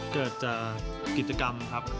เกิดจากกิจกรรมครับ